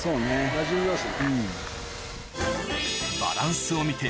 なじみます。